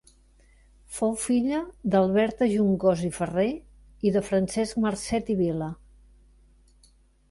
Fou filla d'Alberta Juncosa i Ferrer i de Francesc Marcet i Vila.